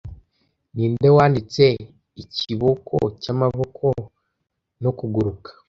Ninde wanditse Ikiboko Cyamaboko no Kuguruka